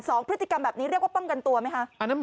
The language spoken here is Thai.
สองพฤติกรรมแบบนี้เรียกว่าป้องกันตัวไหมคะ